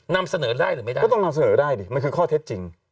นำเสนอได้หรือไม่ได้ก็ต้องนำเสนอได้ดิมันคือข้อเท็จจริง